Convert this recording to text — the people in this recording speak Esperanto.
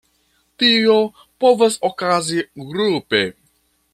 Tio povas okazi grupe.